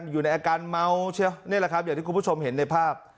อยู่ในอาการเมาเชียวนี่แหละครับอย่างที่คุณผู้ชมเห็นในภาพ